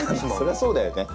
そりゃそうだよね。